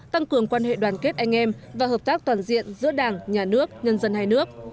tăng cường quan hệ đoàn kết anh em và hợp tác toàn diện giữa đảng nhà nước nhân dân hai nước